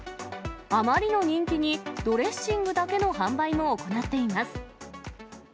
あまりの人気に、ドレッシングだけの販売も行っています。